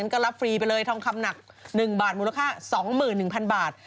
ก็รับฟรีไปเลยทองคำหนัก๑บาทมูลค่า๒๑๐๐๐บาท